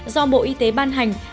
do bộ y tế ban hành